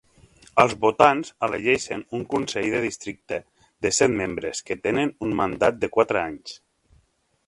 Els votants elegeixen un consell de districte de set membres que tenen un mandat de quatre anys.